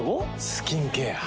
スキンケア。